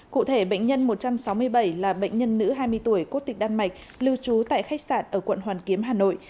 cụ thể bệnh nhân một trăm sáu mươi bảy là bệnh nhân nữ hai mươi tuổi quốc tịch đan mạch lưu trú tại khách sạn ở quận hoàn kiếm hà nội